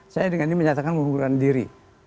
saya dengan ini menyatakan mengundurkan diri